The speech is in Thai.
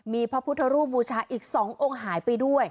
มีพระพุทธรูปบูชาอีก๒องค์หายไปด้วย